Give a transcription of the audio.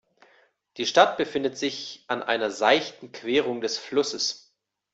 Die Stadt befindet sich an einer seichten Querung des Flusses.